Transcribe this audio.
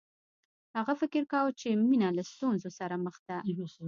هغه فکر کاوه چې مینه له ستونزو سره مخ ده